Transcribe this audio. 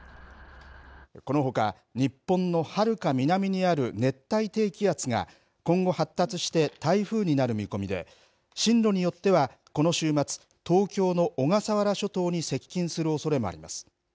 このほか、日本のはるか南にある熱帯低気圧が、今後発達して台風になる見込みで、進路によっては、この週末、東京の小笠原諸島に接近するおそれもあります。